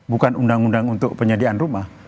bukan undang undang untuk penyediaan rumah